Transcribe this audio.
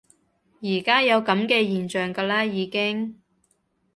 而家有噉嘅現象㗎啦已經